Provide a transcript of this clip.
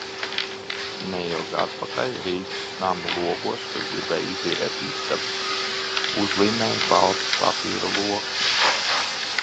Neilgi atpakaļ, Rīgas namu logos, kas gribēja izīrēt istabu, uzlīmēja baltas papīra loksnes.